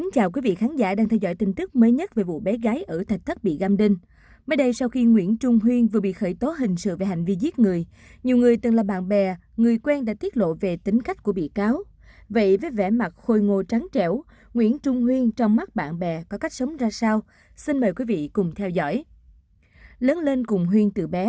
các bạn hãy đăng ký kênh để ủng hộ kênh của chúng mình nhé